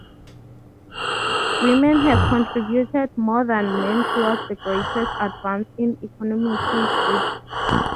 Women have contributed more than men towards the greatest advance in economic history.